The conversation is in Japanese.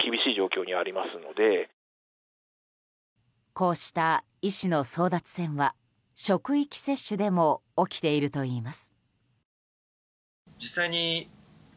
こうした医師の争奪戦は職域接種でも起きているといいます。